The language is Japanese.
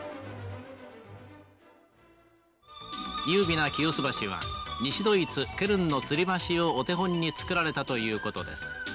「優美な清洲橋は西ドイツケルンのつり橋をお手本に造られたということです」。